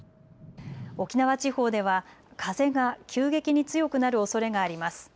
沖縄地方では風が急激に強くなるおそれがあります。